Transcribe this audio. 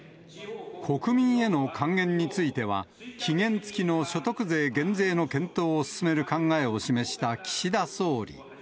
国民への還元については、期限付きの所得税減税の検討を進める考えを示した岸田総理。